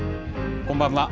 こんばんは。